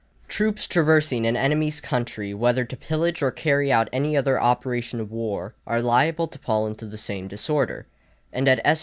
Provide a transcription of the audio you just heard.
Troops traversing an enemy's country, whether to pillage or carry out any other operation of war, are liable to fall into the same disorder; and at S.